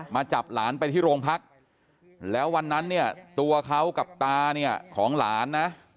มาจับหลานไปที่โรงพักแล้ววันนั้นเนี่ยตัวเขากับตาเนี่ยของหลานนะ